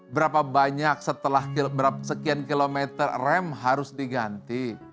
berapa banyak setelah sekian kilometer rem harus diganti